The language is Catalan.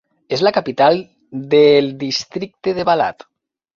És la capital del districte de Balad.